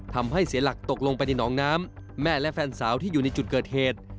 ทำให้เสียหลักตกลงไปในหนองน้ำแม่และแฟนสาวที่อยู่ในจุดเกิดเหตุ